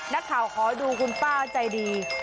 นักข่าวขอดูคุณป้าใจดี